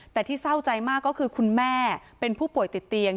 แต่ที่เศร้าใจมากก็คือคุณแม่เป็นผู้ป่วยติดเตียง